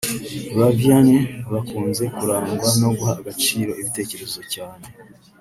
Ba Vianney bakunze kurangwa no guha agaciro ibitekerezo cyane